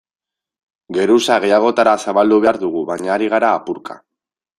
Geruza gehiagotara zabaldu behar dugu, baina ari gara apurka.